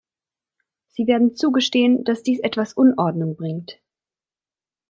Sie werden zugestehen, dass dies etwas Unordnung bringt.